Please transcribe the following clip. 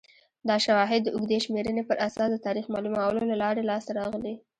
دا شواهد د اوږدې شمېرنې پر اساس د تاریخ معلومولو له لارې لاسته راغلي